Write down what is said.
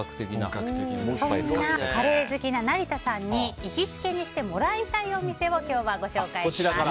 そんなカレー好きな成田さんに行きつけにしてもらいたいお店を今日はご紹介します。